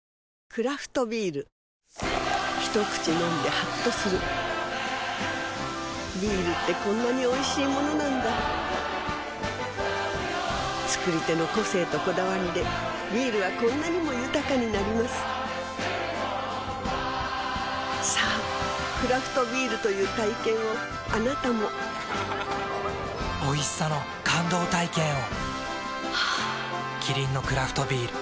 クラフトビール一口飲んでハッとするビールってこんなにおいしいものなんだ造り手の個性とこだわりでビールはこんなにも豊かになりますさぁクラフトビールという体験をあなたもおいしさの感動体験を。